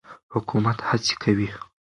حکومت هڅې کوي.